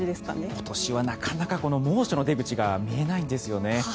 今年は猛暑の出口が見えないんですよね。